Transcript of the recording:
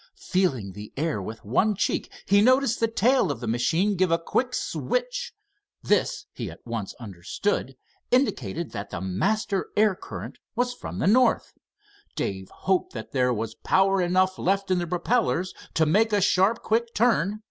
"Feeling" the air with one cheek, he noticed the tail of the machine give a quick switch. This he at once understood indicated that the master air current was from the north. Dave hoped there was power enough left in the propellers to make a sharp, quick turn.